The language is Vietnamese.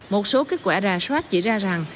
một số kết quả rà soát chỉ ra rằng